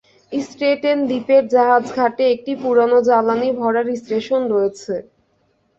Staten দ্বীপের জাহাজ ঘাটে একটি পুরানো জ্বালানি ভরার স্টেশন রয়েছে।